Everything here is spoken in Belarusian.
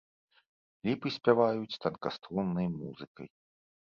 Ліпы спяваюць танкаструннай музыкай.